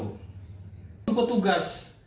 ini adalah petugas rumah sakit kandow